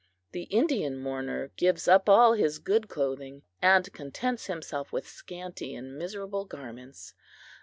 The Indian mourner gives up all his good clothing, and contents himself with scanty and miserable garments.